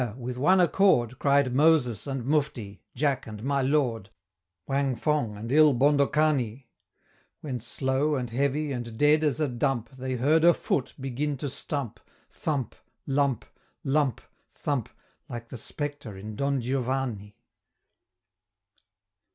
with one accord, Cried Moses and Mufti, Jack and my Lord, Wang Fong and Il Bondocani When slow, and heavy, and dead as a dump, They heard a foot begin to stump, Thump! lump! Lump! thump! Like the Spectre in "Don Giovanni"!